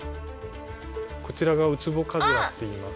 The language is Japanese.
こちらがウツボカズラっていいます。